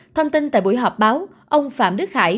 thông tin tại buổi họp báo ông phạm đức khải